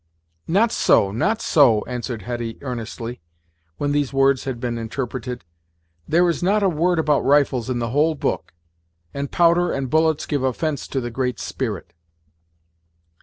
"Not so not so " answered Hetty earnestly, when these words had been interpreted "There is not a word about rifles in the whole book, and powder and bullets give offence to the Great Spirit."